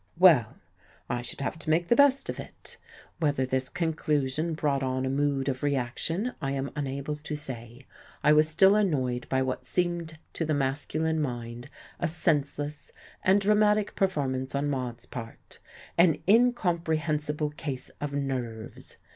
Well, I should have to make the best of it. Whether this conclusion brought on a mood of reaction, I am unable to say. I was still annoyed by what seemed to the masculine mind a senseless and dramatic performance on Maude's part, an incomprehensible case of "nerves."